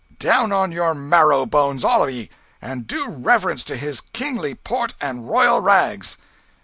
Down on your marrow bones, all of ye, and do reverence to his kingly port and royal rags!"